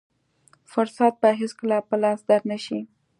فرصت به هېڅکله په لاس در نه شي.